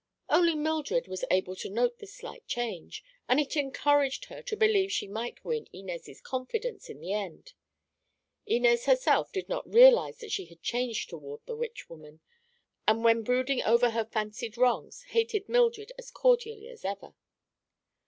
Only Mildred was able to note this slight change, and it encouraged her to believe she might win Inez' confidence in the end. Inez herself did not realize that she had changed toward the "witch woman," and when brooding over her fancied wrongs hated Mildred as cordially as ever.